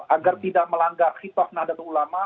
agar tidak melanggar hitoh nahdlatul ulama